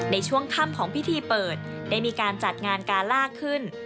ในช่วงค่ำของพิธีเปิดได้มีการจัดงานกาล่าขึ้น